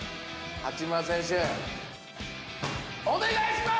八村選手、お願いします。